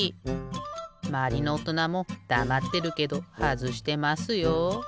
まわりのおとなもだまってるけどはずしてますよ。